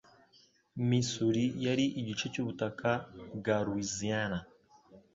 Missouri yari igice cyubutaka bwa Louisiana.